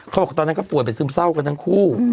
เขาบอกว่าตอนนั้นก็ปวดไปซึมเศร้ากันทั้งคู่